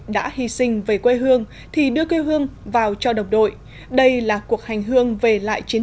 đã hy sinh về quê hương thì đưa quê hương vào cho đồng đội đây là cuộc hành hương về lại chiến